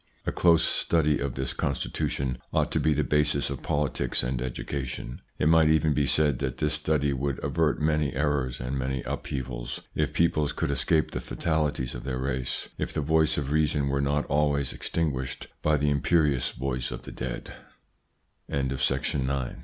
A close study of this constitution ought to be the basis of politics and education. It might even be said that this study would avert many errors and many upheavals, if peoples could escape the fatalities of their race, if the voice of reason were not always extinguished by the imperi